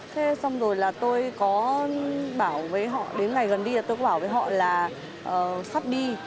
thế xong rồi là tôi có bảo với họ đến ngày gần đi là tôi có bảo với họ là sắp đi